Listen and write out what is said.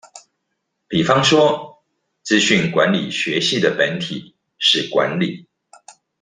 比方說「資訊管理學系」的本體是管理